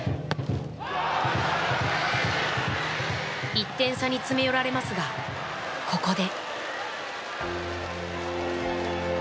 １点差に詰め寄られますがここで。